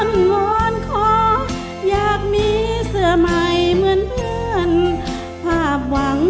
งอนขออยากมีเสื้อใหม่เหมือนเพื่อนภาพหวัง